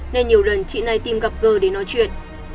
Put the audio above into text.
nên nhiều lần chị này tìm gặp g để nói chuyện